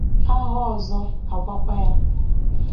a hụ ọzọ a gwakwa ya